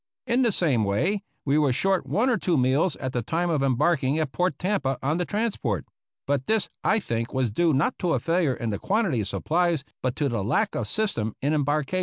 In the same way we were short one or two meals at the time of em barking at Port Tampa on the transport ; but this I think was due, not to a failure in the quantity of supplies, but to the lack of system in embarkation.